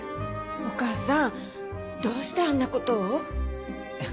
お義母さんどうしてあんな事を？